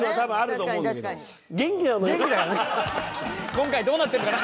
「今回どうなってるかな？